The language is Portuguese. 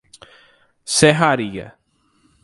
Serraria